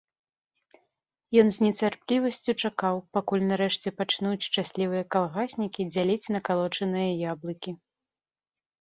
Ён з нецярплівасцю чакаў, пакуль нарэшце пачнуць шчаслівыя калгаснікі дзяліць накалочаныя яблыкі.